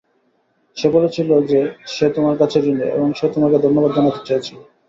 সে বলেছিলো যে সে তোমার কাছে ঋণী, এবং সে তোমাকে ধন্যবাদ জানাতে চেয়েছিলো।